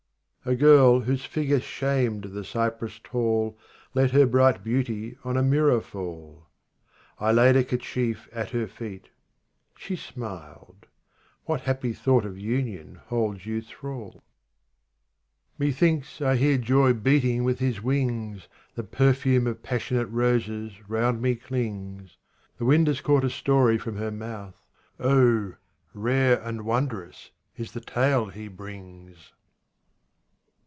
43 A girl whose figure shamed the cypress tall Let her bright beauty on a mirror fall. I laid a kerchief at her feet. She smiled, ''What happy thought of union holds you thrall ?' 4 50 RUBAIYAT OF HAFIZ 44 Methinks I hear joy beating with his wings ; The perfume of passionate roses round me clings. The wind has caught a story from her mouth, Oh rare and wondrous is the tale he brings